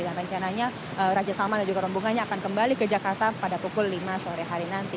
dan rencananya raja salman dan juga rombongannya akan kembali ke jakarta pada pukul lima sore hari nanti